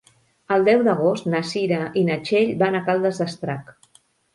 El deu d'agost na Cira i na Txell van a Caldes d'Estrac.